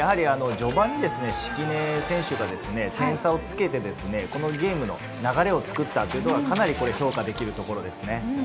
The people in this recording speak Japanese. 序盤に敷根選手が点差をつけて、このゲームの流れを作ったというのが評価できるところです。